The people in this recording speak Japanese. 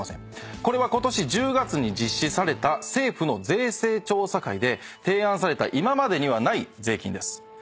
これはことし１０月に実施された政府の税制調査会で提案された今までにはない税金です。